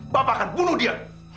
bapak akan bunuh dia